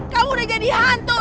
kamu udah jadi hantu